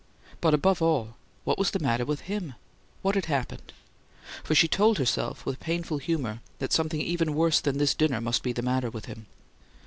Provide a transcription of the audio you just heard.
But above all: What was the matter with HIM? What had happened? For she told herself with painful humour that something even worse than this dinner must be "the matter with him."